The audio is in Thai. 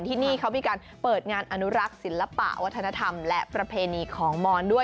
ที่นี่เขามีการเปิดงานอนุรักษ์ศิลปะวัฒนธรรมและประเพณีของมอนด้วย